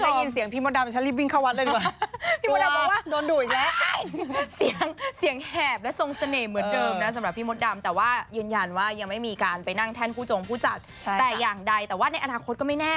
ได้ยินเสียงพี่มดดำฉันรีบวิ่งเข้าวัดเลยดีกว่า